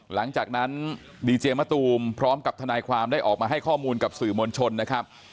หลังจากนั้นดีเจมะตูมพร้อมกับทนายความได้ออกมาให้ข้อมูลกับสื่อมวลชนนะครับ